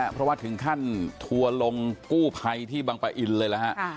เพราะถึงขั้นทัวรงต์กู้ไภที่บางประอินทร์เลย